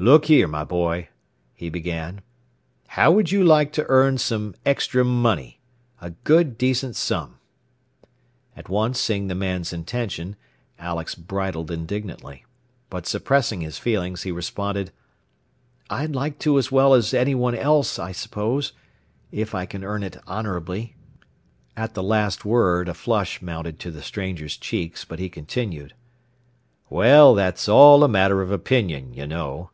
"Look here, my boy," he began, "how would you like to earn some extra money a good decent sum?" At once seeing the man's intention, Alex bridled indignantly. But suppressing his feelings, he responded, "I'd like to as well as anyone else, I suppose if I can earn it honorably." At the last word a flush mounted to the stranger's cheeks, but he continued. "Well, that's all a matter of opinion, you know.